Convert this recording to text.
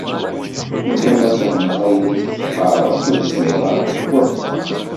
Ulamma fehmeɣ ayen i d-teqqareḍ, ur zmireɣ ad k-wafqeɣ.